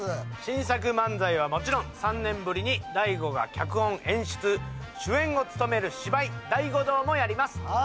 新作漫才はもちろん３年ぶりに大悟が脚本演出主演を務める芝居「大悟道」もやります